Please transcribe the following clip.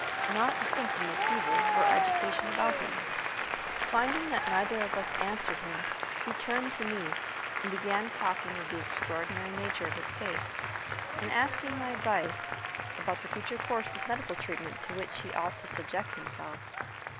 Not a symptom of fever or agitation about him. Finding that neither of us answered him, he turned to me, and began talking of the extraordinary nature of his case, and asking my advice about the future course of medical treatment to which he ought to subject himself.